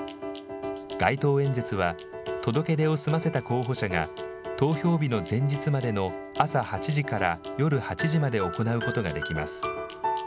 街頭演説は、届け出を済ませた候補者が投票日の前日までの朝８時から夜８時まで行うことができます。